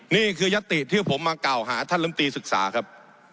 นี่คือยัตติที่ผมมากล่าวหาท่านลำตีศึกษาครับ